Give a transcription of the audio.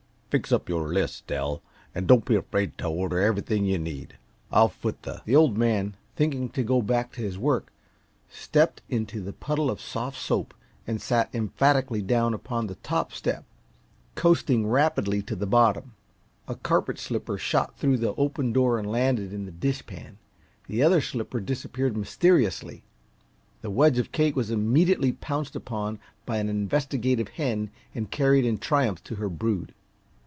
"Fix up your list, Dell, and don't be afraid t' order everything yuh need. I'll foot the " The Old Man, thinking to go back to his work, stepped into the puddle of soft soap and sat emphatically down upon the top step, coasting rapidly to the bottom. A carpet slipper shot through the open door and landed in the dishpan; the other slipper disappeared mysteriously. The wedge of cake was immediately pounced upon by an investigative hen and carried in triumph to her brood.